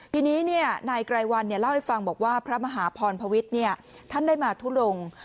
ทีนี้นายไกรวันเล่าให้ฟังบอกว่าพระมหาพรพวิทย์ท่านได้มาทุลง